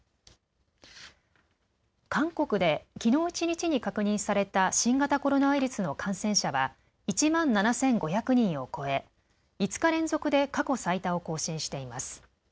韓国で、きのう一日に確認された新型コロナウイルスの感染者は１万７５００人を超え５日連続で過去最多を更新しています。